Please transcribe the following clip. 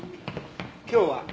今日は？